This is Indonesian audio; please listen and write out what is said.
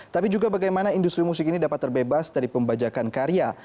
tapi juga bagaimana industri musik ini dapat terbebas dari pembajakan karya